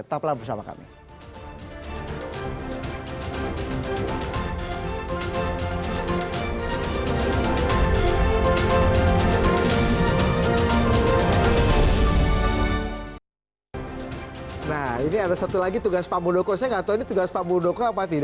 tetaplah bersama kami